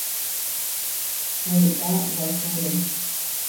Puetá wahóre.